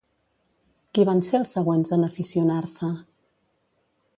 Qui van ser els següents en aficionar-se?